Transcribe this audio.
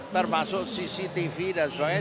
termasuk cctv dan sebagainya